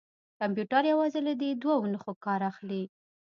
کمپیوټر یوازې له دې دوو نښو کار اخلي.